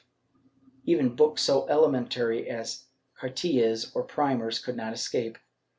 Even books so elementary as cartillas, or primers, could not escape.